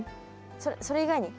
それ以外に？